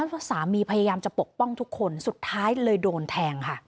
เพราะสามีพยายามจะปกป้องทุกคนสุดท้ายเลยโดนแทงค่ะ